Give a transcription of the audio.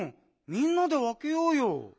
みんなでわけようよ。